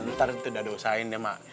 ntar dado usahain ya mak